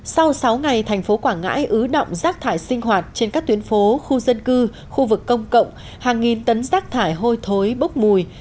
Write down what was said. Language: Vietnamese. sau sáu ngày thành phố quảng ngãi ứ động rác thải sinh hoạt trên các tuyến phố khu dân cư khu vực công cộng hàng nghìn tấn rác thải hôi thối bốc mùi